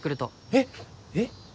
えっ？えっ？